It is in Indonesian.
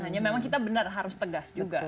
hanya memang kita benar harus tegas juga